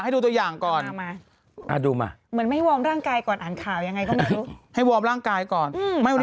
ให้ฟังนิดนึงให้ฟังนิดนึงก่อนอ๋อให้ฟังทุกที